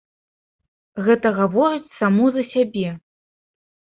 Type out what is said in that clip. Гэта гаворыць само за сябе.